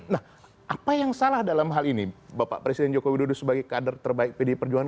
nah apa yang salah dalam hal ini bapak presiden joko widodo sebagai kader terbaik pdi perjuangan